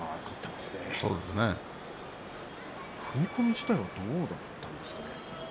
踏み込み自体はどうだったですか。